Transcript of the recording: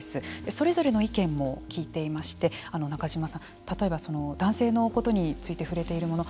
それぞれの意見も聞いていまして中島さん、例えば男性のことについて触れているもの。